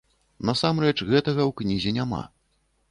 Насамрэч гэтага ў кнізе няма.